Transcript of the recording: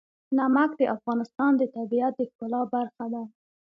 نمک د افغانستان د طبیعت د ښکلا برخه ده.